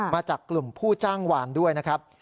มาจากกลุ่มผู้จ้างวานด้วยนะครับ